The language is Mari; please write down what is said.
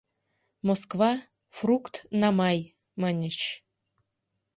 «Москва — Фрукт-на-Май!» — маньыч.